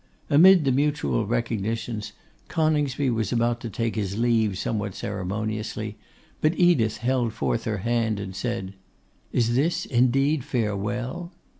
Amid the mutual recognitions, Coningsby, was about to take his leave somewhat ceremoniously, but Edith held forth her hand, and said, 'Is this indeed farewell?